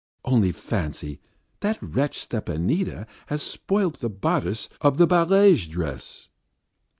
"Only fancy that wretch Stepanida has spoilt the bodice of the barège dress!"